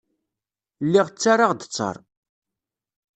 Lliɣ ttarraɣ-d ttaṛ.